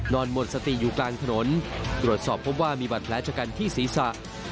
หมดสติอยู่กลางถนนตรวจสอบพบว่ามีบัตรแผลชะกันที่ศีรษะ